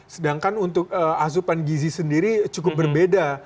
sedangkan untuk asupan gizi sendiri cukup berbeda